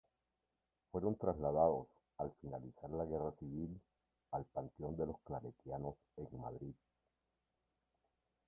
Fueron trasladados, al finalizar la Guerra Civil, al panteón de los Claretianos en Madrid.